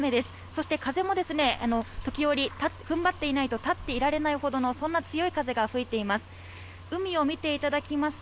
そして風もですね時折立って踏ん張っていないと立っていられないほどのそんな強い風が吹いています